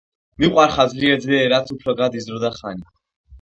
მიყვარხარ ძლიერ ძლიერ რაც უფრო გადის დრო და ხანი